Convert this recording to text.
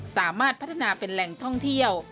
สามารถพัฒนาเป็นแหล่งท่องเที่ยว